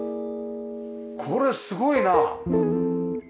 これすごいな！